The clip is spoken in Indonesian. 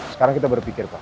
sekarang kita berpikir paul